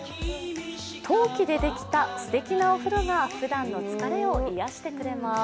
陶器でできたすてきなお風呂がふだんの疲れを癒やしてくれます。